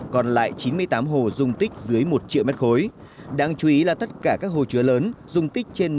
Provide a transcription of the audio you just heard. còn lại chín mươi tám hồ dùng tích dưới một triệu m ba đáng chú ý là tất cả các hồ chứa lớn dung tích trên